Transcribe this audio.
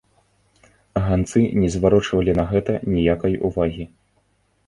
Ганцы не зварочвалі на гэта ніякай увагі.